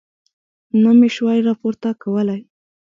نه مې شوای راپورته کولی.